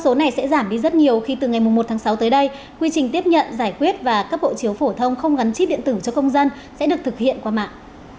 số này sẽ giảm đi rất nhiều khi từ ngày một tháng sáu tới đây quy trình tiếp nhận giải quyết và cấp hộ chiếu phổ thông không gắn chip điện tử cho công dân sẽ được thực hiện qua mạng